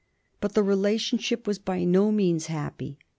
But the relationship was by no means happy.